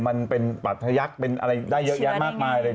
มันเป็นประทยักษ์ได้เยอะแยะมากมายเลย